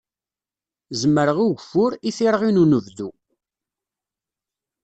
Zemreɣ i ugeffur i tirɣi n unebdu.